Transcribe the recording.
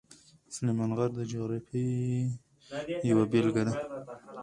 سلیمان غر د جغرافیې یوه بېلګه ده.